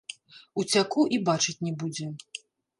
Уцяку, і бачыць не будзе!